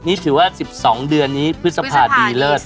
นี่ถือว่า๑๒เดือนนี้พฤษภาดีเลิศ